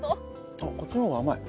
あこっちの方が甘い。